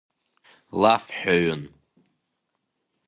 Лафҳәаҩын.